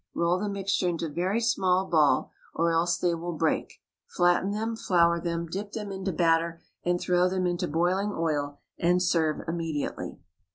Roll the mixture into very small ball; or else they will break, flatten them, flour them, dip them into batter, and throw them into boiling oil, and serve immediately.